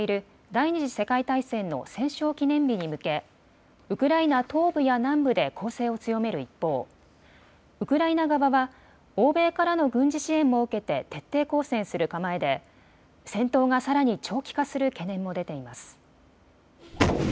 第２次世界大戦の戦勝記念日に向け、ウクライナ東部や南部で攻勢を強める一方、ウクライナ側は欧米からの軍事支援も受けて徹底抗戦する構えで戦闘がさらに長期化する懸念も出ています。